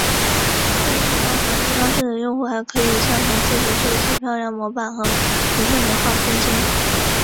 对于喜欢华丽装饰的用户还可以上传自己设计的漂亮模板和图片美化空间。